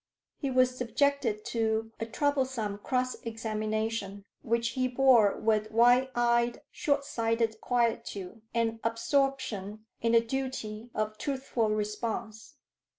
He was subjected to a troublesome cross examination, which he bore with wide eyed short sighted quietude and absorption in the duty of truthful response.